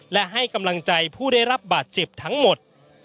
และให้กำลังใจผู้ได้รับบาดเจ็บทั้งหมด